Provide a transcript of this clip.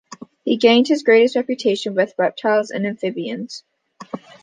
He gained his greatest reputation with reptiles and amphibians.